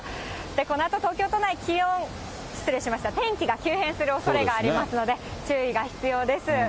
このあと東京都内、気温、失礼しました、天気が急変するおそれがありますので、注意が必要です。